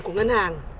của ngân hàng